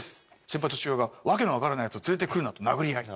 「先輩と父親が“訳のわからない奴を連れてくるな”と殴り合い」